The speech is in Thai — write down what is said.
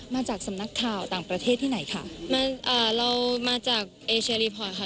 มาจากสำนักข่าวต่างประเทศที่ไหนค่ะมาอ่าเรามาจากเอเชียรีพอร์ตค่ะ